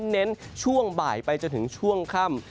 เน้นช่วงบ่ายไปจนถึงช่วงค่ำ